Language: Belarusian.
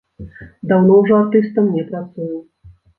Даўно ўжо артыстам не працую.